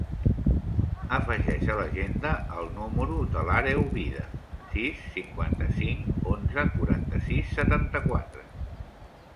Afegeix a l'agenda el número de l'Àreu Vida: sis, cinquanta-cinc, onze, quaranta-sis, setanta-quatre.